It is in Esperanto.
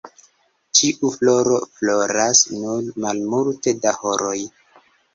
Ĉiu floro floras nur malmulte da horoj.